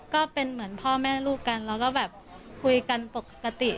ก็เป็นเหมือนพ่อแม่ลูกกันแล้วก็แบบคุยกันปกติ